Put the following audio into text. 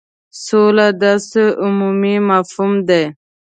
سوله داسي عمومي مفهوم دی.